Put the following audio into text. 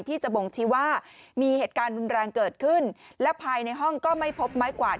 ที่จะบ่งชี้ว่ามีเหตุการณ์รุนแรงเกิดขึ้นและภายในห้องก็ไม่พบไม้กวาด